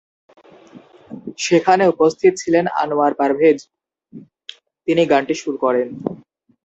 সেখানে উপস্থিত ছিলেন আনোয়ার পারভেজ, তিনি গানটি সুর করেন।